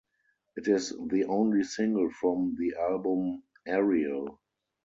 It is the only single from the album "Aerial".